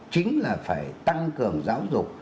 chính là phải tăng cường giáo dục